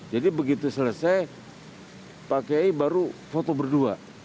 jadi begitu selesai pak kiai baru foto berdua